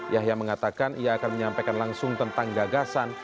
yahya mengatakan ia akan menyampaikan langsung tentang gagasan